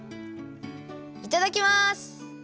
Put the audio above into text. いただきます！